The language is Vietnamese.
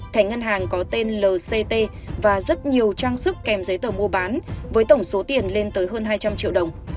thẻ ngân hàng có tên lct và rất nhiều trang sức kèm giấy tờ mua bán với tổng số tiền lên tới hơn hai trăm linh triệu đồng